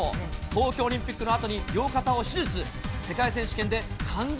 東京オリンピックのあとに両肩を手術。